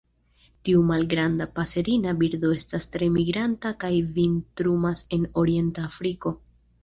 Tiu malgranda paserina birdo estas tre migranta kaj vintrumas en orienta Afriko.